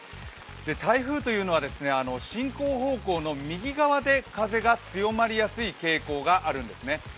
台風というのは進行方向の右側で風が強まりやすい傾向があるんですね。